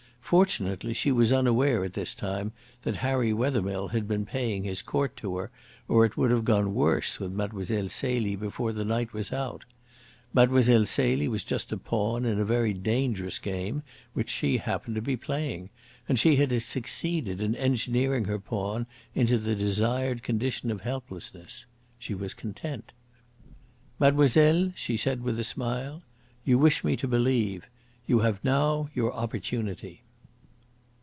Fortunately she was unaware at this time that Harry Wethermill had been paying his court to her or it would have gone worse with Mlle. Celie before the night was out. Mlle. Celie was just a pawn in a very dangerous game which she happened to be playing, and she had succeeded in engineering her pawn into the desired condition of helplessness. She was content. "Mademoiselle," she said, with a smile, "you wish me to believe. You have now your opportunity."